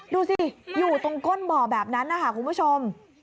ดูสิอยู่ตรงก้นบ่อแบบนั้นนะคะคุณผู้ชม